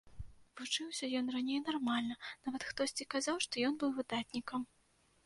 Вучыўся ён раней нармальна, нават хтосьці казаў, што ён быў выдатнікам.